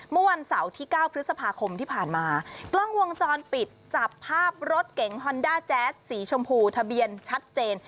เมื่อวันเสาร์ที่เก้าพฤษภาคมที่ผ่านมากล้องวงจรปิดจับภาพรถเก๋งฮอนด้าแจ๊สสีชมพูทะเบียนชัดเจน